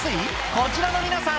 こちらの皆さん